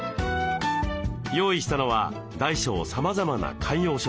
用意したのは大小さまざまな観葉植物。